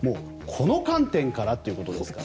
この観点からということですから。